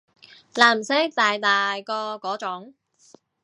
藍色大大個嗰種